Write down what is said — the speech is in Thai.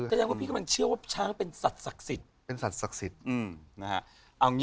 แสดงว่าพี่กำลังเชื่อว่าช้างเป็นสัตว์ศักดิ์สิทธิ์เป็นสัตว์ศักดิ์สิทธิ์นะฮะ